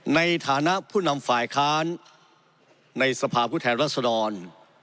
ในฐานะผู้นำฝ่ายค้านในสภาพผู้แทนรัศดร